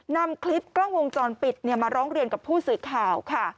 นำคลิปกล้องวงจรปิดมาร้องเรียนกับผู้สื่อข่าวค่ะ